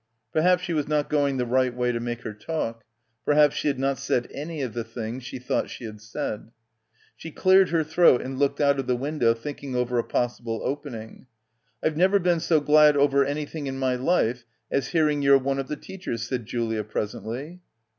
Perhaps she was not going the right way to make her talk. Perhaps she had not said any of the things she thought she had said. She cleared her throat and looked out of the window thinking over a possible opening. "I've never been so glad over anything in my life as hearing you're one of the teachers," said Julia presently.